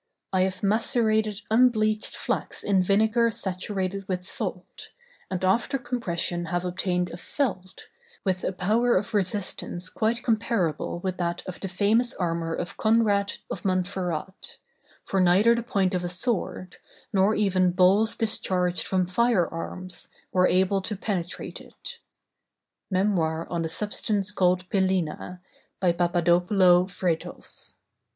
"I have macerated unbleached flax in vinegar saturated with salt, and after compression have obtained a felt, with a power of resistance quite comparable with that of the famous armor of Conrad of Montferrat; for neither the point of a sword, nor even balls discharged from fire arms, were able to penetrate it." _Memoir on the substance called Pilina, by Papadopoulo Vretos.